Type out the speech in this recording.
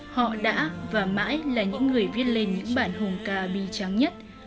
họ đã và mãi là những người viết lên những bản hùng ca bi trắng nhất